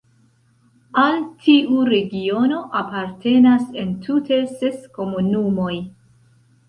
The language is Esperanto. Al tiu regiono apartenas entute ses komunumoj.